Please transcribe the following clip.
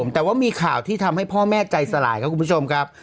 แต่ว่ามีข่าวที่ทำให้พ่อแม่ใจสลายครับคุณผู้ชมครับ